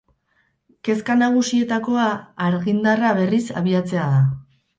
Kezka nagusietakoa argindarra berriz abiatzea da.